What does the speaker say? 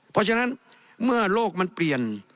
เพราะฉะนั้นเมื่อโลกมันเปลี่ยน